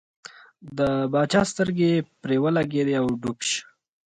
د باچا سترګې پر ولګېدې او ډوب شو.